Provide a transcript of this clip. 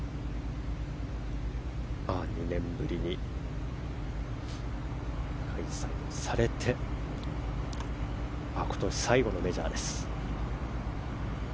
２年ぶりに開催されて今年最後のメジャーです。